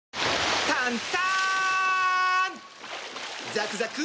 ザクザク！